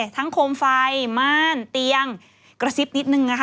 โคมไฟม่านเตียงกระซิบนิดนึงนะคะ